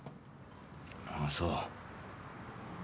ああそう。